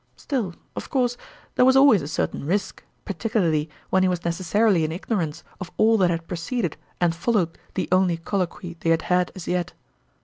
Still, of course there was always a certain risk, particularly when he was necessarily in ignorance of all that had preceded and followed the only col loquy they had had as yet.